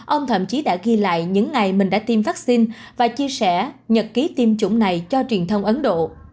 ông thậm chí đã ghi lại những ngày mình đã tiêm vaccine và chia sẻ nhật ký tiêm chủng này cho truyền thông ấn độ